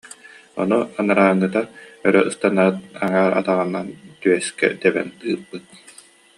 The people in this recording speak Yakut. Ону анарааҥҥыта өрө ыстанаат, аҥаар атаҕынан түөскэ тэбэн ыыппыт